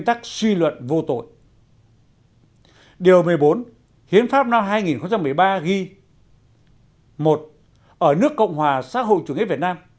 tắc suy luận vô tội điều một mươi bốn hiến pháp năm hai nghìn một mươi ba ghi một ở nước cộng hòa xã hội chủ nghĩa việt nam